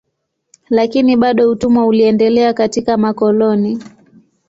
Lakini bado utumwa uliendelea katika makoloni.